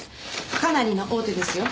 かなりの大手ですよ。